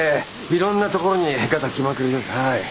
いろんなところにガタきまくりですはい。